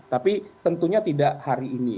tapi tentunya tidak hari ini